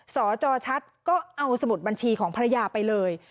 สจชัดก็เอาสมุดบัญชีของภรรยาไปเลย